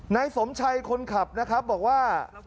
นายสมชัยคนขับนะครับบอกว่า